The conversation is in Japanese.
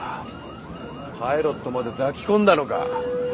パイロットまで抱き込んだのか。